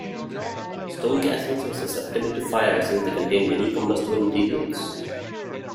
Stone castles were susceptible to fire, since they contained many combustible materials.